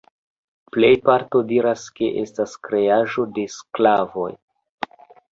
Plejparto diras ke estas kreaĵo de sklavoj.